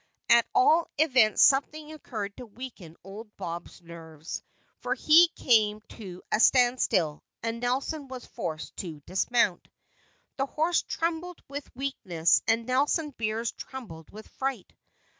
At all events something occurred to weaken old Bob's nerves, for he came to a stand still and Nelson was forced to dismount. The horse trembled with weakness and Nelson Beers trembled with fright.